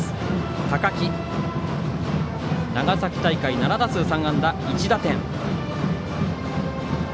高木、長崎大会では７打数３安打１打点。